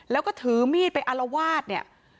แล้วก็ถือมีดไปอารวาสเนี่ย